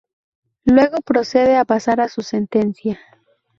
Luego procede a pasar a su sentencia.